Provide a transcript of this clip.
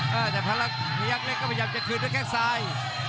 ถ้าจะพันแล้วพยายามเล็กก็พยายามจะคืนด้วยแค่งซ้าย